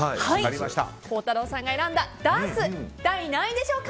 孝太郎さんが選んだダース第何位でしょうか。